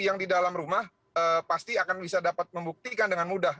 yang di dalam rumah pasti akan bisa dapat membuktikan dengan mudah